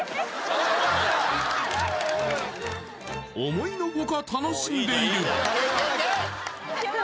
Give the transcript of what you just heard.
思いのほか楽しんでいる！